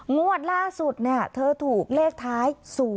งวดล่าสุดเธอถูกเลขท้าย๐๘